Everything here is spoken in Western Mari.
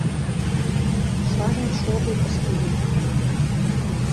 Шанен шоде тӹшкевек.